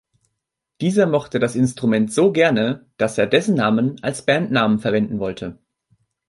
Dieser mochte das Instrument so gerne, dass er dessen Namen als Bandnamen verwenden wollte.